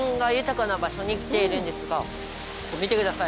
見てください